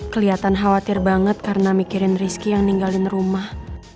kelihatan khawatir banget karena mikirin rizky yang ninggalin rumah